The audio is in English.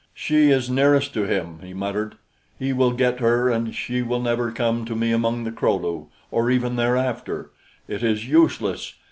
"She is nearest to him," he muttered. "He will get her and she will never come to me among the Kro lu, or ever thereafter. It is useless!